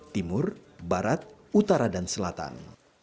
timur barat utara dan selatan